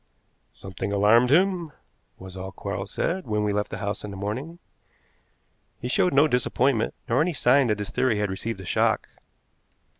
"Something alarmed him," was all Quarles said when we left the house in the morning. He showed no disappointment, nor any sign that his theory had received a shock.